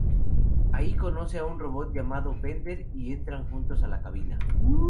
Ahí conoce a un robot llamado Bender y entran juntos a la cabina.